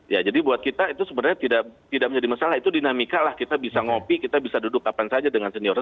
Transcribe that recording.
ya jadi buat kita itu sebenarnya tidak menjadi masalah itu dinamika lah kita bisa ngopi kita bisa duduk kapan saja dengan senior